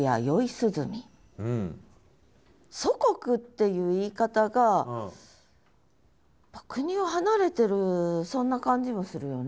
祖国っていう言い方が国を離れてるそんな感じもするよね。